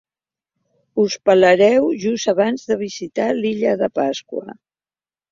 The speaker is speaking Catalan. Us pelareu just abans de visitar l'illa de Pasqua.